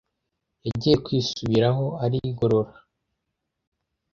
Yagiye kwisubiraho arigorora.